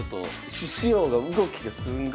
獅子王が動きがすんごい。